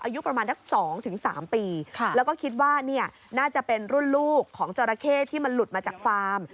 อายุประมาณสัก๒๓ปีแล้วก็คิดว่าเนี่ยน่าจะเป็นรุ่นลูกของจราเข้ที่มันหลุดมาจากฟาร์ม